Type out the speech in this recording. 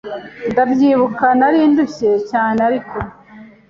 Ndabyibuka nari ndushye cyane ariko